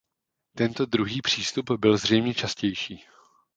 Tento druhý přístup byl zřejmě častější.